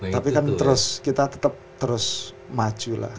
tapi kan terus kita tetep terus maju lah